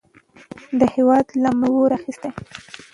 د هیواد لمنې اور اخیستی و.